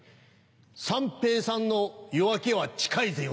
「三平さんの夜明けは近いぜよ」